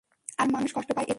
আর মানুষ কষ্ট পায় এতে।